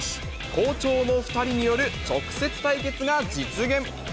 好調の２人による直接対決が実現。